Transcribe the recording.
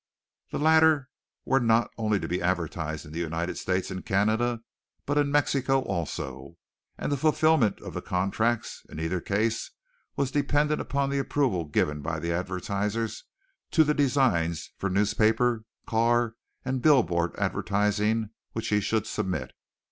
The latter were not only to be advertised in the United States and Canada, but in Mexico also, and the fulfilment of the contracts in either case was dependent upon the approval given by the advertisers to the designs for newspaper, car and billboard advertising which he should submit.